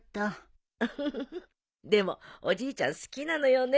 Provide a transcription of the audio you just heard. ウフフでもおじいちゃん好きなのよね